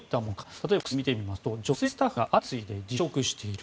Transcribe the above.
例えば、ＦＯＸを見てみますと女性スタッフが相次いで辞職している。